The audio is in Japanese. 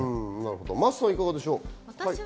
真麻さん、いかがでしょう？